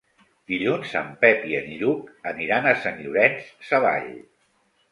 Dilluns en Pep i en Lluc aniran a Sant Llorenç Savall.